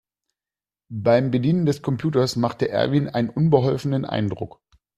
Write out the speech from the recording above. Beim Bedienen des Computers machte Erwin einen unbeholfenen Eindruck.